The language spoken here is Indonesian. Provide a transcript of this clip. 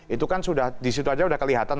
itu kan sudah disitu aja sudah kelihatan